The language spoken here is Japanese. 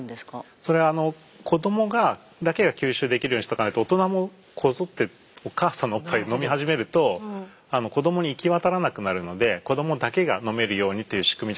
それは子どもだけが吸収できるようにしとかないと大人もこぞってお母さんのおっぱいを飲み始めると子どもに行き渡らなくなるので子どもだけが飲めるようにという仕組みじゃないかといわれてます。